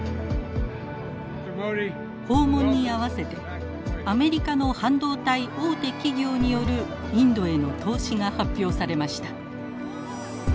訪問にあわせてアメリカの半導体大手企業によるインドへの投資が発表されました。